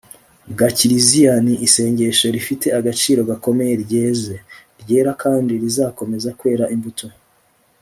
bwa kiliziya. ni isengesho rifite agaciro gakomeye ryeze, ryera kandi rizakomeza kwera imbuto